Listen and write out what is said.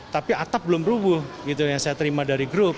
tapi atap belum rubuh gitu yang saya terima dari grup